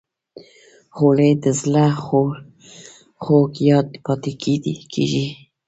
خولۍ د زړه خوږ یاد پاتې کېږي.